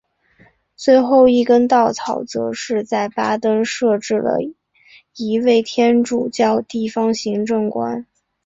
最后一根稻草则是在巴登设置了一位天主教地方行政官。